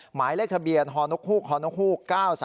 หมายเลขทะเบียนฮนกฮูกฮนกฮูก๙๓